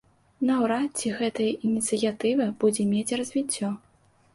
Наўрад ці гэтая ініцыятыва будзе мець развіццё.